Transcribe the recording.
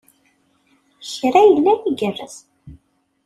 Kra yellan igerrez.